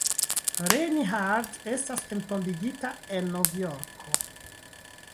Reinhardt estas entombigita en Novjorko.